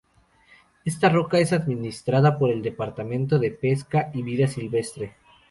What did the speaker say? Esta roca es administrada por el Departamento de Pesca y Vida Silvestre.